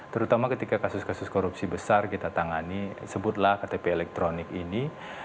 terutama ketika kasus kasus korupsi besar kita tangani sebutlah ktp elektronik ini